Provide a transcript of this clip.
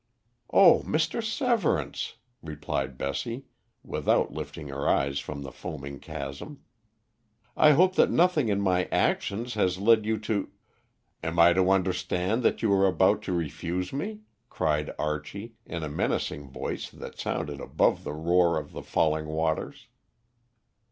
"Oh, Mr. Severance," replied Bessie, without lifting her eyes from the foaming chasm, "I hope that nothing in my actions has led you to " "Am I to understand that you are about to refuse me?" cried Archie, in a menacing voice that sounded above the roar of the falling waters.